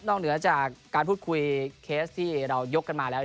นอกเหนือจากการพูดคุยเกสที่ออกเยอะกันมาแล้ว